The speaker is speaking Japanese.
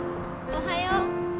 おはよう。